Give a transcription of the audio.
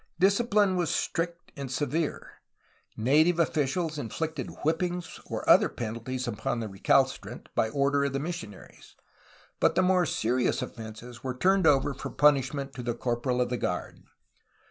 Discipline was strict and severe. Native officials inflicted whippings or other penalties upon the recalcitrant, by order of the missionaries, but the more serious offences were turned over for punishment to the corporal of the guard.